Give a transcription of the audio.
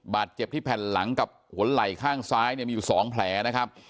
บาดเจ็บที่แผ่นหลังกับหัวไหล่ข้างซ้ายเนี่ยมีอยู่๒แผลนะครับ